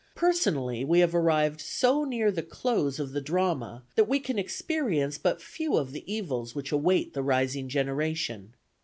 Personally we have arrived so near the close of the drama that we can experience but few of the evils which await the rising generation.